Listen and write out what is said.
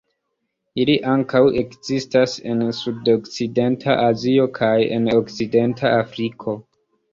Ili ankaŭ ekzistas en sudokcidenta Azio kaj en okcidenta Afriko.